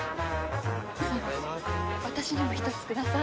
私にも１つください。